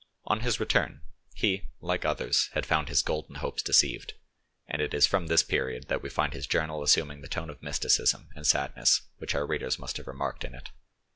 On his return, he, like others, had found his golden hopes deceived, and it is from this period that we find his journal assuming the tone of mysticism and sadness which our readers must have remarked in it.